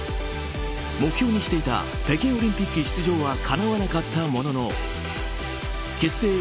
目標にしていた北京オリンピック出場はかなわなかったものの結成